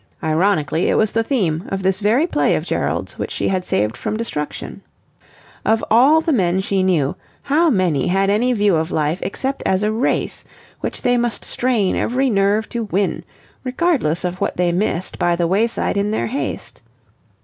Ironically, it was the theme of this very play of Gerald's which she had saved from destruction. Of all the men she knew, how many had any view of life except as a race which they must strain every nerve to win, regardless of what they missed by the wayside in their haste?